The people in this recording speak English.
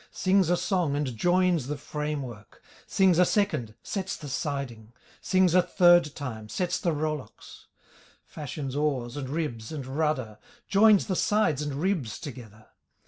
Sings a song, and joins the frame work; Sings a second, sets the siding; Sings a third time, sets the row locks; Fashions oars, and ribs, and rudder, Joins the sides and ribs together.